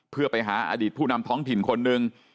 เพื่อไปหาอดีตผู้นำท้องถิ่นคนหนึ่ง